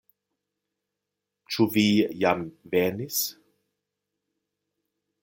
Ĉu vi jam venis?